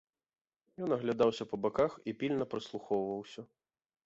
Ён аглядаўся па баках і пільна прыслухоўваўся.